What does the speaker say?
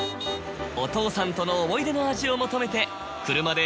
お父さんとの思い出の味を求めて。